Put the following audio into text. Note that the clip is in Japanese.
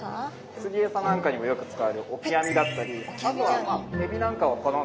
釣りエサなんかにもよく使われるオキアミだったりあとはエビなんかを好んで食べます。